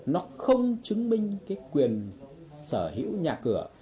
nó không chứng minh cái quyền sở hữu nhà cửa